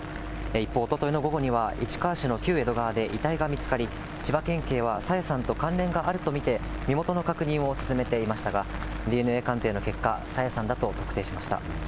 一方、おとといの午後には市川市の旧江戸川で遺体が見つかり、千葉県警は朝芽さんと関連があると見て、身元の確認を進めていましたが、ＤＮＡ鑑定の結果、朝芽さんだと確定しました。